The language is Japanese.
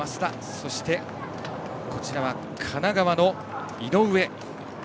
そして、神奈川の井上。